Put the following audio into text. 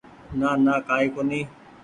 نانا ڪآئي ڪونيٚ